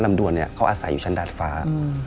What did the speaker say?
ดวนเขาอาศัยอยู่ชั้นดาดฟ้า